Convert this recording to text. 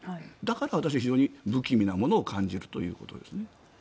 だから私は非常に不気味なものを感じるということです。